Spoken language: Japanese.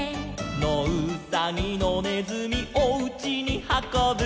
「のうさぎのねずみおうちにはこぶ」